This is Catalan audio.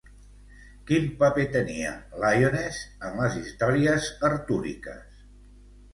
Quin paper tenia, Lyonesse, en les històries artúriques?